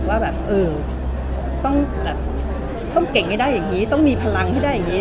ว่าแบบเออต้องแบบต้องเก่งให้ได้อย่างนี้ต้องมีพลังให้ได้อย่างนี้